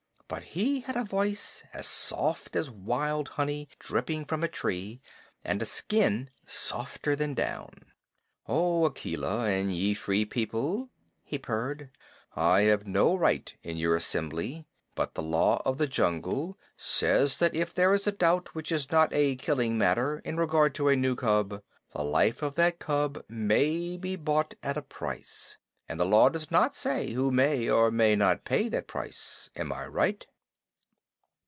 But he had a voice as soft as wild honey dripping from a tree, and a skin softer than down. "O Akela, and ye the Free People," he purred, "I have no right in your assembly, but the Law of the Jungle says that if there is a doubt which is not a killing matter in regard to a new cub, the life of that cub may be bought at a price. And the Law does not say who may or may not pay that price. Am I right?"